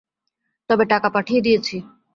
তবে টাকা পাঠিয়ে দিয়েছি।